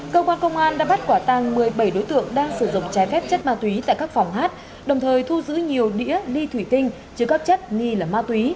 công an công an đã bắt quả tàng một mươi bảy đối tượng đang sử dụng trái phép chất ma túy tại các phòng hát đồng thời thu giữ nhiều đĩa ly thủy tinh chứ góp chất nghi là ma túy